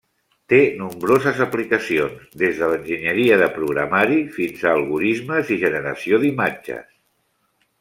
Té nombroses aplicacions, des de l'enginyeria de programari fins a algorismes i generació d'imatges.